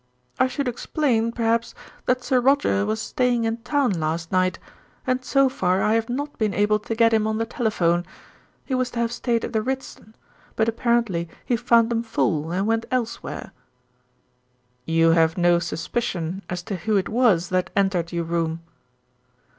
I should explain, perhaps, that Sir Roger was staying in town last night, and so far I have not been able to get him on the telephone. He was to have stayed at the Ritzton; but apparently he found them full and went elsewhere." "You have no suspicion as to who it was that entered your room?"